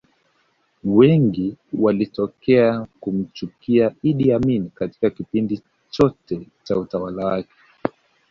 Wengi walitokea kumchukia Idd Amin Katika kipindi chote Cha utawala wake